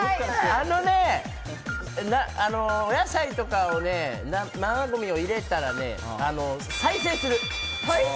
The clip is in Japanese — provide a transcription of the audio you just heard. あのね、お野菜とかをね、生ゴミを入れたらね、再生する。